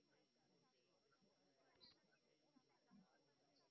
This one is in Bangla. তবে, তাঁর দুই সহযোগীর বিরুদ্ধে মামলা চলবে বলে আদালত নির্দেশ দিয়েছেন।